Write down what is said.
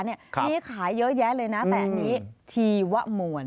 นี่ขายเยอะแยะเลยนะแต่อันนี้ชีวมวล